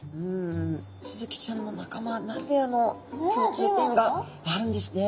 スズキちゃんの仲間ならではの共通点があるんですね。